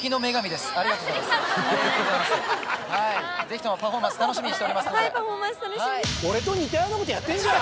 ぜひともパフォーマンス楽しみにしておりますので。